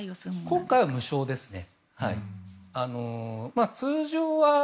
今回は無償ですね。